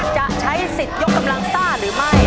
จะใช้สิทธิ์ยกกำลังซ่าหรือไม่